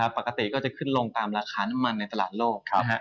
ปกติก็จะขึ้นลงตามราคาน้ำมันในตลาดโลก